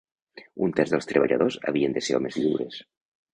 Un terç dels treballadors havien de ser homes lliures.